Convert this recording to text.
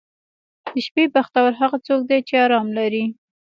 • د شپې بختور هغه څوک دی چې آرام لري.